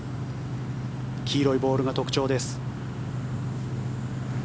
黄色いボールが特徴です。